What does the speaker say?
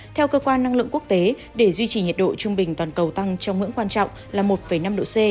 theo cơ quan năng lượng quốc tế để duy trì nhiệt độ trung bình toàn cầu tăng trong ngưỡng quan trọng là một năm độ c